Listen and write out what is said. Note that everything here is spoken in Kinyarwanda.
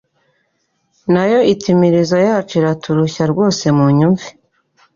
Na yo iti imirizo yacu iraturushya rwose munyumve